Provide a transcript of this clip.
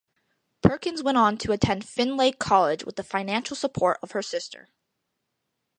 Perkins went on to attend Findlay College with the financial support of her sisters.